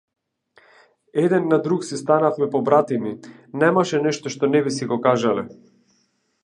Еден на друг си станавме побратими, немаше нешто што не би си го кажале.